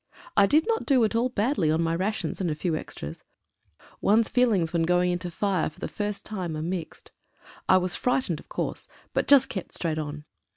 I did not do at all badly on my rations and a few extras. One's feelings when going into fire for the first time are mixed. I was frightened, of course, but just kept straight on.